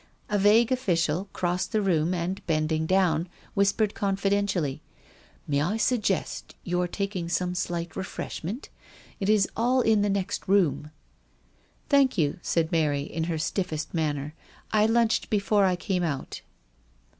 A vague official crossed the room and, bending down, whis pered confidentially : "May I suggest your taking some slight refreshment ? It is all in the next room." "Thank you," said Mary, in her stiffest manner. " I lunched before I came out."